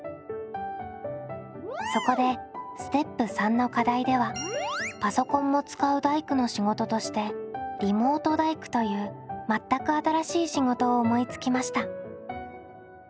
そこでステップ③の課題ではパソコンも使う大工の仕事としてリモート大工という全く新しい仕事を思いつきました。